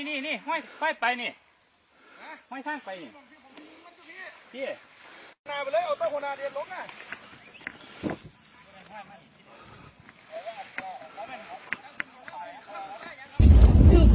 ล่มไป